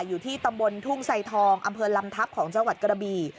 อยู่ที่ตำบลทุ่งไซทองอำเภอลำทัพของจังหวัดกระบี่